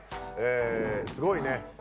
すごいね。